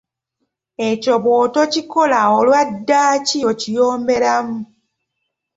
Ekyo bw'otokikola, olwa ddaaki okiyomberamu.